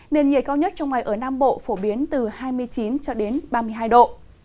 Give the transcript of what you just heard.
nền nhiệt cao nhất trong ngày ở nam bộ phổ biến từ hai mươi chín ba mươi hai độ